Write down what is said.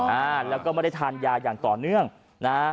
อ่าแล้วก็ไม่ได้ทานยาอย่างต่อเนื่องนะ